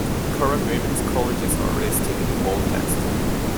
Current women's colleges are listed in bold text.